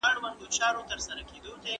زه سينه سپين نه کوم!.